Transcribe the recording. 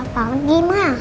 aku mau olahraga pagi ma